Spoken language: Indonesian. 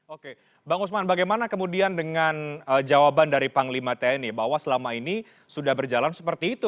oke bang usman bagaimana kemudian dengan jawaban dari panglima tni bahwa selama ini sudah berjalan seperti itu